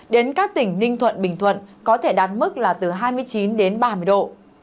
đến các tỉnh ninh thuận bình thuận có thể đạt mức là từ hai mươi chín đến ba mươi độ